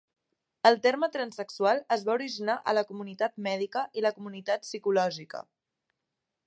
El terme "transsexual" es va originar a la comunitat mèdica i la comunitat psicològica.